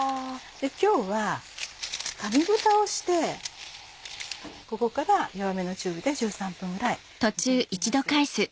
今日は紙ぶたをしてここから弱めの中火で１３分ぐらい煮て行きます。